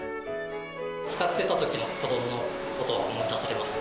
使ってたときの子どものことは思い出されます？